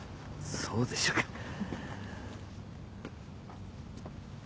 そうでしょうか？